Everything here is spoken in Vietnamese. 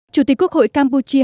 chủ tịch quốc hội campuchia